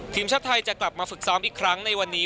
ทีมชาติไทยจะกลับมาฝึกซ้อมอีกครั้งในวันนี้